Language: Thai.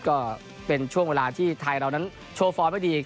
ก็เป็นช่วงเวลาที่ไทยเรานั้นโชว์ฟอร์มไว้ดี